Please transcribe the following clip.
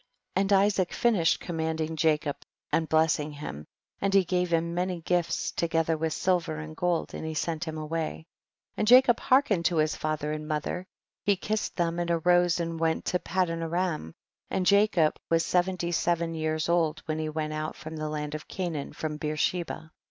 30. And Isaac finished command ing Jacob and blessing him, and he gave him many gifts, together with silver and gold, and he sent liim away ; and Jacob hearkened to his father and mother ; he kissed them and arose and went to Padanaram, and Jacob was seventy seven years old when he went out from the land of Canaan from Beersheba.